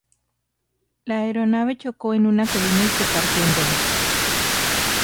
La aeronave chocó en una colina y se partió en dos.